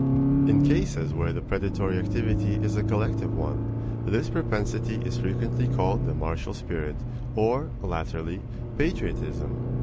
In cases where the predatory activity is a collective one, this propensity is frequently called the martial spirit, or, latterly, patriotism.